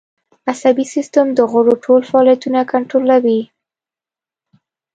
عصبي سیستم د غړو ټول فعالیتونه کنترولوي